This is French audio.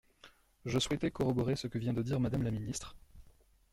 Je souhaitais corroborer ce que vient de dire Madame la ministre.